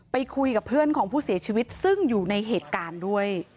ไปคุยกับเพื่อนของผู้เสียชีวิตซึ่งอยู่ในเหตุการณ์ด้วย